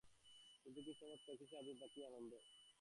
কিন্তু কী চমৎকার, কী স্বাধীনতা, কী আনন্দ!